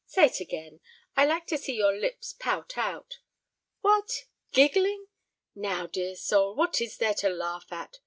Say it again; I like to see your lips pout out. What! giggling? Now, dear soul, what is there to laugh at?